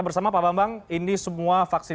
bersama pak bambang ini semua vaksin